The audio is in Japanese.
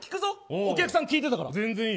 お客さん聞いてたから。